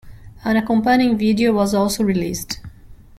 An accompanying video was also released.